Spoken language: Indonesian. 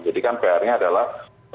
jadi kan pr nya adalah